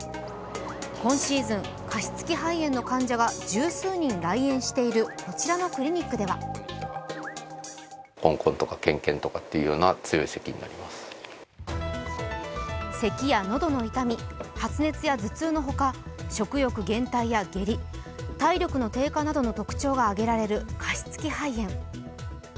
今シーズン、加湿器肺炎の患者が十数人来院しているこちらのクリニックはせきや喉の痛み発熱や頭痛のほか食欲減退や下痢体力の低下などの特徴が挙げられる加湿器肺炎。